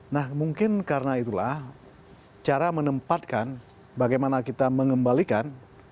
nah mungkin karena itulah cara menempatkan bagaimana kita mengembalikan